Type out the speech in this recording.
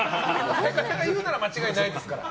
親方が言うなら間違いないですから。